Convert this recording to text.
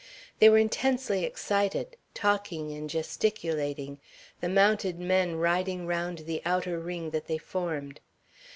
They were intensely excited, talking and gesticulating, the mounted men riding round the outer ring that they formed.